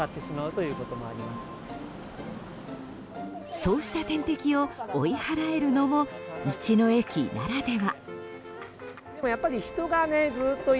そうした天敵を追い払えるのも道の駅ならでは。